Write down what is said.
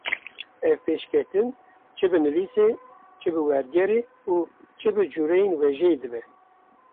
ev pêşketin çi bi nivîsê, çi bi wergerê û çi bi cûreyên wêjeyê dibe.